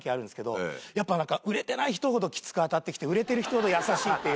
やっぱ何か売れてない人ほどきつく当たってきて売れてる人ほど優しいっていう